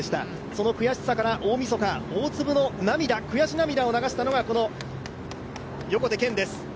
その悔しさから大みそか大粒の悔し涙を流したのが横手健です。